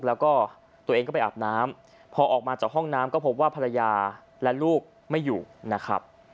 แล้วก็ตัวเองก็ไปอาบน้ำพอออกมาจากห้องน้ำก็พบว่าภรรยาและลูกไม่อยู่นะครับ